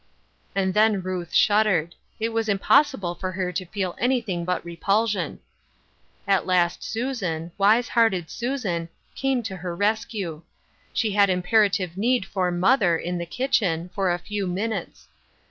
And then Ruth shuddered. It was impossi ble for her to feel anything but repulsion. At last Susan — wise hearted Susan — came to her rescue. She had imperative need for "mother" in the kitchen, for a few minutes.